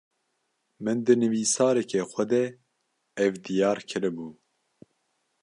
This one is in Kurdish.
Min, di nivîsareke xwe de, ev diyar kiribû